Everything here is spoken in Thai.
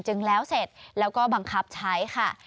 จึงแล้วเสร็จแล้วก็บังคับใช้ค่ะ